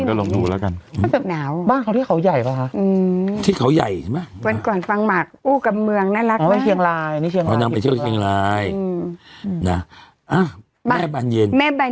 ก็ลองดูว่าใครหวานกันสองคู่แต่งแต่งล้อมกันไปเลยนะ